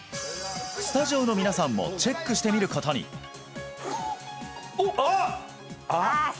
スタジオの皆さんもチェックしてみることにあ